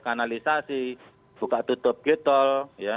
kanalisasi buka tutup g tol